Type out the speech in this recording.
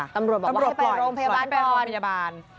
ตำรวจบอกว่าให้ไปโรงพยาบาลก่อน